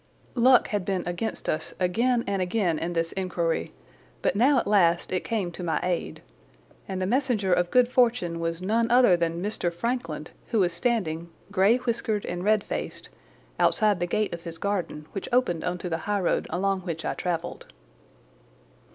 Luck had been against us again and again in this inquiry, but now at last it came to my aid. And the messenger of good fortune was none other than Mr. Frankland, who was standing, grey whiskered and red faced, outside the gate of his garden, which opened on to the highroad along which I travelled.